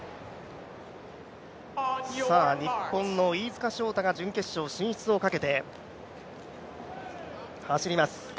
日本の飯塚翔太が準決勝進出をかけて走ります。